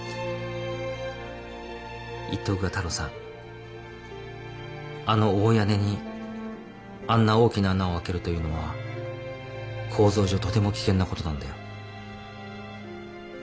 言っておくが太郎さんあの大屋根にあんな大きな穴を開けるというのは構造上とても危険なことなんだよ。